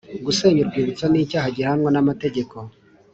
Gusenya urwibutso n’icyaha gihanwa n’amategeko